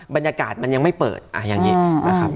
บรรยากาศมันยังไม่เปิดอย่างนี้นะครับ